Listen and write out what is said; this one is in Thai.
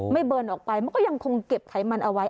เบิร์นออกไปมันก็ยังคงเก็บไขมันเอาไว้